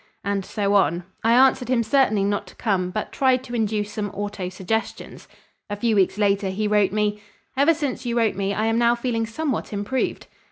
And so on. I answered him certainly not to come but tried to induce some autosuggestions. A few weeks later, he wrote me: "Ever since you wrote me, I am now feeling somewhat improved."